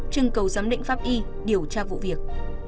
trưng cầu giám định pháp y điều tra vụ việc